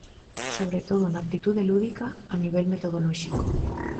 Sobre todo na actitude lúdica, a nivel metodolóxico.